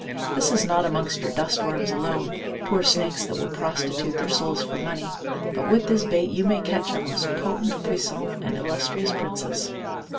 This is not amongst your dust worms alone, poor snakes that will prostitute their souls for money, but with this bait you may catch our most potent, puissant, and illustrious princes.